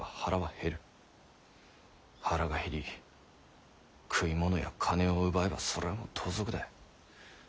腹が減り食い物や金を奪えばそれはもう盗賊だ。